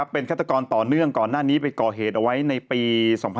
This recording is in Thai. เป็นฆาตกรต่อเนื่องก่อนหน้านี้ไปก่อเหตุเอาไว้ในปี๒๕๕๙